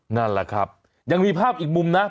นั่นแหละครับยังมีภาพอีกมุมนะ